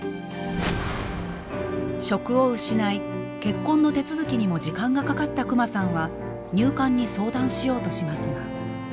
職を失い結婚の手続きにも時間がかかったクマさんは入管に相談しようとしますが。